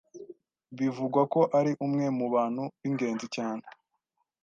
Bivugwa ko ari umwe mu bantu b’ingenzi cyane